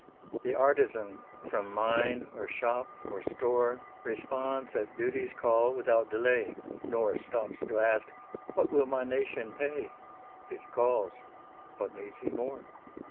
The artisan from mine, or shop, or store, Responds at duty's call without delay, Nor stops to ask, "What will my nation pay?" It calls what needs he more?